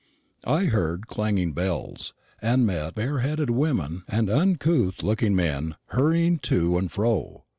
I heard clanging bells, and met bare headed women and uncouth looking men hurrying to and fro.